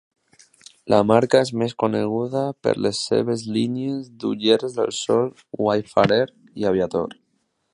La marca és més coneguda per les seves línies d'ulleres de sol Wayfarer i Aviator.